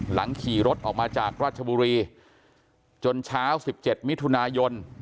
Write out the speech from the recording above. หลังขี่รถออกมาจากรัชบุรีจนเช้าสิบเจ็ดมิถุนายน